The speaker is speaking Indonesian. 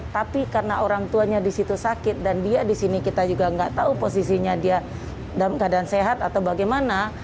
tapi karena orang tuanya di situ sakit dan dia di sini kita juga nggak tahu posisinya dia dalam keadaan sehat atau bagaimana